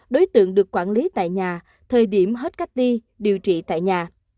đối tượng được quản lý tại nhà thời điểm hết cách ly điều trị tại nhà